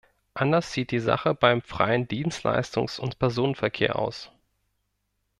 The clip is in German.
Anders sieht die Sache beim freien Dienstleistungs- und Personenverkehr aus.